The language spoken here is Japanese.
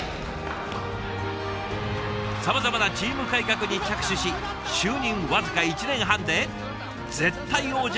さまざまなチーム改革に着手し就任僅か１年半で絶対王者